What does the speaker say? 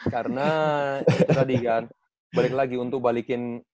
karena itu tadi kan balik lagi untuk balikin